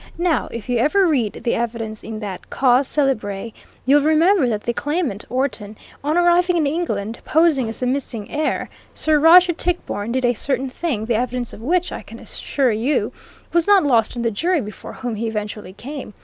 Now, if you ever read the evidence in that cause célèbre, you'll remember that the claimant, Orton, on arriving in England, posing as the missing heir, Sir Roger Tichborne, did a certain thing, the evidence of which, I can assure you, was not lost on the jury before whom he eventually came.